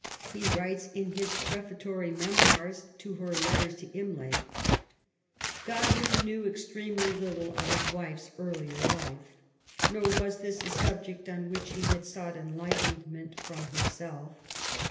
He writes in his Prefatory Memoirs to her Letters to Imlay :—... Godwin knew extremely little of his wife's earlier life, nor was this a subject on which he had sought enlightenment from herself.